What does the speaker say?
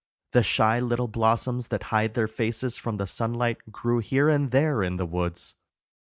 The shy little blossoms that hide their faces from the sunlight grew here and there in the woods.